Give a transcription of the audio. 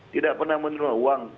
tidak pernah menerima uang